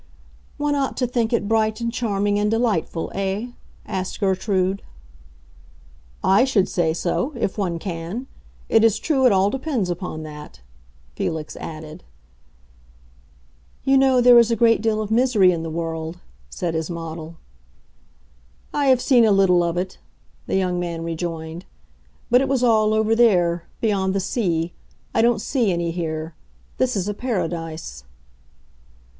"One ought to think it bright and charming and delightful, eh?" asked Gertrude. "I should say so—if one can. It is true it all depends upon that," Felix added. "You know there is a great deal of misery in the world," said his model. "I have seen a little of it," the young man rejoined. "But it was all over there—beyond the sea. I don't see any here. This is a paradise."